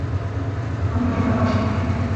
আমরা কেন পালাচ্ছি?